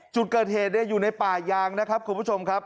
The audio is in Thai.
จุดเกิดเหตุอยู่ในป่ายางนะครับคุณผู้ชมครับ